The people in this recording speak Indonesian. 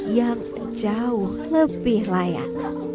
yang jauh lebih layak